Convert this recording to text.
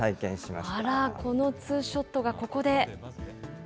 あら、このツーショットがこ